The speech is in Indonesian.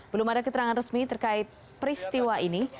belum ada keterangan resmi terkait peristiwa ini